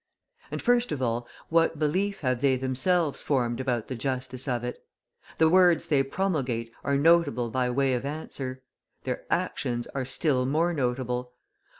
And, first of all, what belief have they themselves formed about the justice of it? The words they promulgate are notable by way of answer; their actions are still more notable.